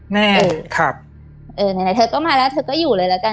แม่ครับเออไหนเธอก็มาแล้วเธอก็อยู่เลยละกัน